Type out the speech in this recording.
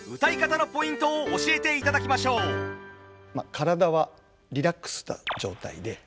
体はリラックスした状態で。